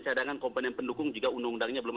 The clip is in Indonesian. cadangan komponen pendukung juga undang undangnya belum